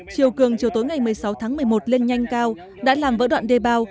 chiều cường chiều tối ngày một mươi sáu tháng một mươi một lên nhanh cao đã làm vỡ đoạn đê bao